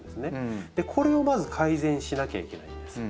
これをまず改善しなきゃいけないんです。